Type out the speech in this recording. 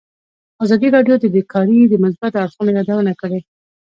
ازادي راډیو د بیکاري د مثبتو اړخونو یادونه کړې.